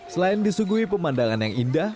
selain disuguhi pemandangan yang indah